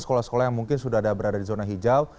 sekolah sekolah yang mungkin sudah ada berada di zona hijau